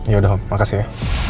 yaudah om makasih ya